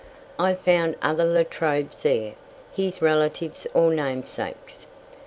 I found other La Trobes there, his relatives or namesakes.